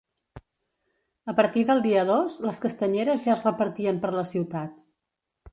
A partir del dia dos, les castanyeres ja es repartien per la ciutat.